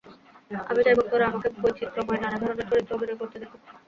আমি চাই, ভক্তরা আমাকে বৈচিত্র্যময় নানা ধরনের চরিত্রে অভিনয় করতে দেখুক।